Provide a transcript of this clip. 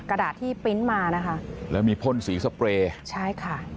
กระดาษที่ปริ้นต์มานะคะแล้วมีพ่นสีสเปรย์ใช่ค่ะ